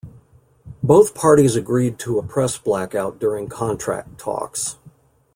Both parties agreed to a press blackout during contract talks.